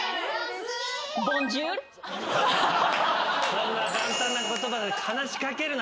こんな簡単な言葉で話しかけるな。